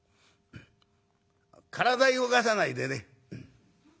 体動かさないでね。